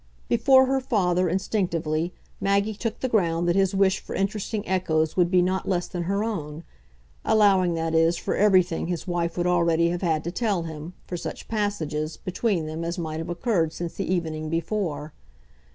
Before her father, instinctively, Maggie took the ground that his wish for interesting echoes would be not less than her own allowing, that is, for everything his wife would already have had to tell him, for such passages, between them, as might have occurred since the evening before.